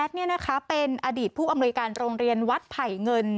เป็นอดีตผู้อำนวยการโรงเรียนวัดไผ่เงิน